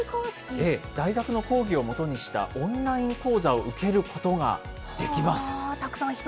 大学の講義をもとにしたオンライン講座を受けることができます。